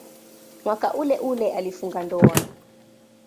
Mwaka uleule alifunga ndoa.